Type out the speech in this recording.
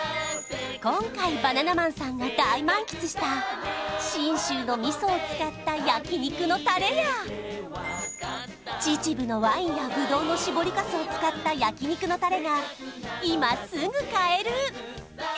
今回バナナマンさんが大満喫した信州のみそを使った焼肉のタレや秩父のワインやぶどうの搾りかすを使った焼肉のタレが今すぐ買える！